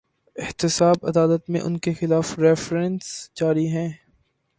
احتساب عدالت میں ان کے خلاف ریفرنس جاری ہیں۔